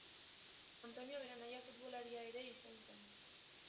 Antonio bere anaia futbolaria ere izan zen.